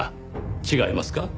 違いますか？